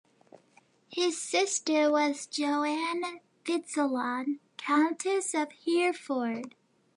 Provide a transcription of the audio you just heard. His sister was Joan Fitzalan, Countess of Hereford.